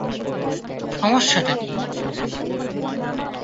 সমস্যাটা কী?